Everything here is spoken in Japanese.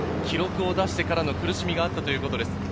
記録を出してからの苦しみがあったということです。